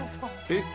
えっ？